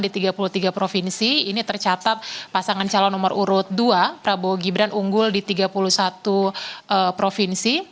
di tiga puluh tiga provinsi ini tercatat pasangan calon nomor urut dua prabowo gibran unggul di tiga puluh satu provinsi